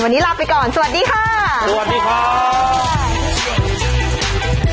วันนี้ลาไปก่อนสวัสดีค่ะ